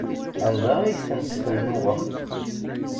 Anda ay tent-tennuɣem?